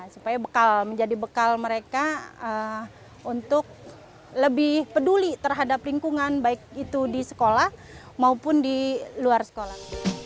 supaya menjadi bekal mereka untuk lebih peduli terhadap lingkungan baik itu di sekolah maupun di luar sekolah